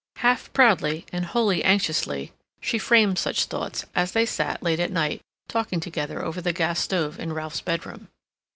Half proudly, and wholly anxiously, she framed such thoughts, as they sat, late at night, talking together over the gas stove in Ralph's bedroom.